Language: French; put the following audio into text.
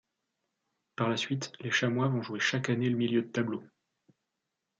Par la suite, les Chamois vont jouer chaque année le milieu de tableau.